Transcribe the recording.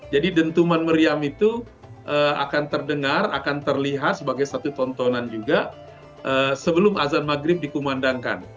jadi dentuman meriam itu akan terdengar akan terlihat sebagai satu tontonan juga sebelum azan maghrib dikumandangkan